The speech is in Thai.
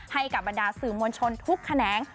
ให้กับบรรดาสื่อมวลชนทุกแขนง